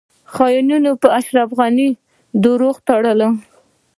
خاینانو په اشرف غنی درواغ تړل